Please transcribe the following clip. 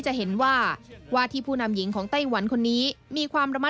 จะเห็นว่าวาธิภูนามหญิงของไต้หวันคนนี้